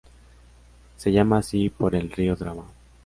Se llama así por el río Drava.